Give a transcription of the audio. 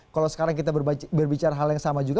kalau sekarang kita berbicara hal yang sama juga